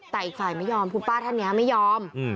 แต่อีกฝ่ายไม่ยอมคุณป้าท่านนี้ไม่ยอม